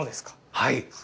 はい。